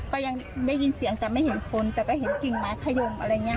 ก็ยังได้ยินเสียงแต่ไม่เห็นคนแต่ก็เห็นกิ่งไม้ขยมอะไรอย่างนี้